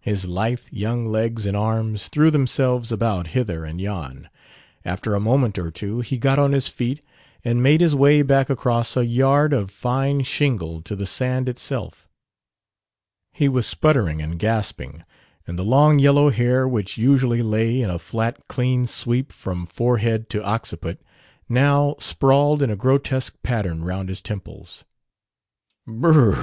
His lithe young legs and arms threw themselves about hither and yon. After a moment or two he got on his feet and made his way back across a yard of fine shingle to the sand itself. He was sputtering and gasping, and the long yellow hair, which usually lay in a flat clean sweep from forehead to occiput, now sprawled in a grotesque pattern round his temples. "B r r!